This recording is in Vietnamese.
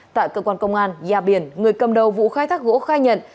tại cơ quan công an gia biển người cầm đầu vụ khai thác gỗ khai nhận